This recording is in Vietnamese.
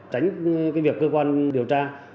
tránh cái việc cơ quan điều tra